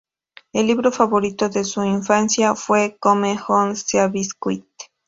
El libro favorito de su infancia fue "Come On Seabiscuit".